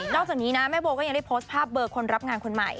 จากนี้นะแม่โบก็ยังได้โพสต์ภาพเบอร์คนรับงานคนใหม่